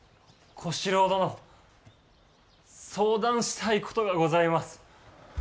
小四郎殿相談したいことがございます。